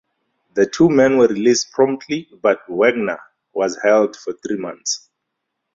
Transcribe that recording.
The two men were released promptly but Wagner was held for three months.